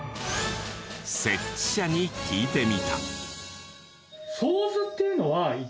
設置者に聞いてみた。